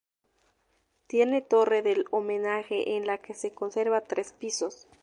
Tiene torre del homenaje en la que se conservan tres pisos.